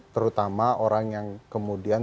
terutama orang yang kemudian